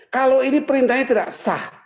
kalau ini perintahnya tidak sah